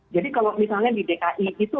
jadi kalau misalnya di dki itu